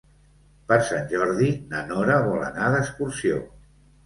Per Sant Jordi na Nora vol anar d'excursió.